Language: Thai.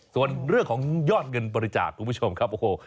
ส่วนเรื่องของยอดเงินบริจาคคุณผู้ชมครับโอ้โห